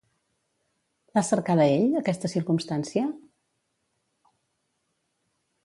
L'ha cercada ell, aquesta circumstància?